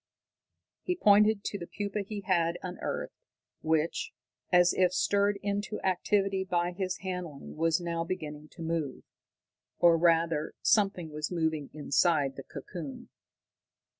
He pointed to the pupa he had unearthed, which, as if stirred into activity by his handling, was now beginning to move. Or, rather, something was moving inside the cocoon.